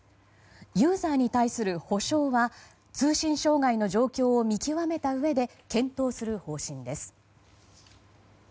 ユーザーに対する補償は通信障害の状況を見極めたうえで検討する方針です。